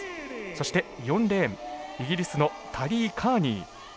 そして４レーンイギリスのタリー・カーニー。